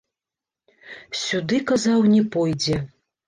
Сюды, казаў, не пойдзе!